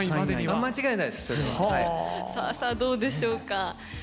さあさあどうでしょうか。